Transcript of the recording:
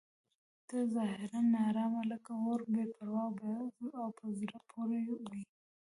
ته ظاهراً ناارامه لکه اور بې پروا او په زړه پورې وې.